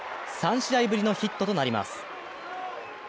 ３試合ぶりのヒットとなります。